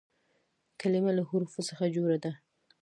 کلیمه له حروفو څخه جوړه ده.